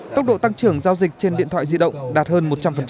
tốc độ tăng trưởng giao dịch trên điện thoại di động đạt hơn một trăm linh